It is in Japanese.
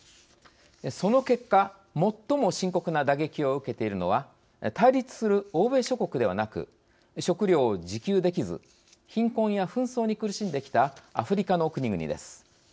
その結果最も深刻な打撃を受けているのは対立する欧米諸国ではなく食糧を自給できず貧困や紛争に苦しんできたアフリカの国々です。